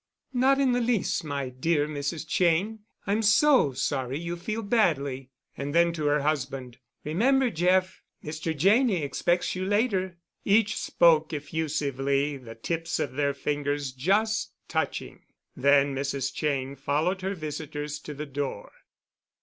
"Not in the least, my dear Mrs. Cheyne. I'm so sorry you feel badly." And then to her husband, "Remember, Jeff, Mr. Janney expects you later." Each spoke effusively, the tips of their fingers just touching. Then Mrs. Cheyne followed her visitors to the door.